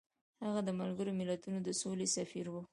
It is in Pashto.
هغه د ملګرو ملتونو د سولې سفیر و.